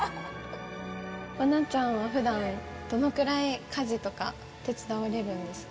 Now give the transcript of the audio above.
愛菜ちゃんはふだん、どのくらい家事とか手伝われるんですか。